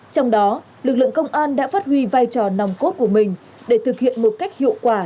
trong đó lực lượng công an đã phát huy vai trò nòng cốt của mình để thực hiện một cách hiệu quả